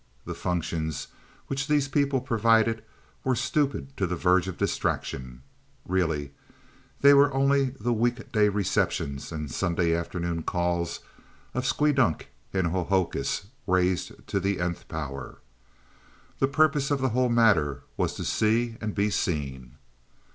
The functions which these people provided were stupid to the verge of distraction; really they were only the week day receptions and Sunday afternoon calls of Squeedunk and Hohokus raised to the Nth power. The purpose of the whole matter was to see and be seen.